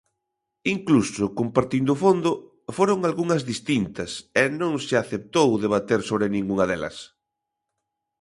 Incluso compartindo fondo, foron algunhas distintas, e non se aceptou debater sobre ningunha delas.